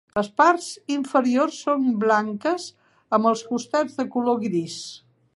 Les parts inferiors són blanques amb els costats de color gris.